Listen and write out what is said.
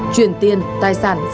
chuyển tiền tài sản xã hội